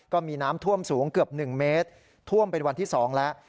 ก็มีน้ำท่วมสูงเกือบ๑เมตรท่วมเป็นวันที่๒แล้ว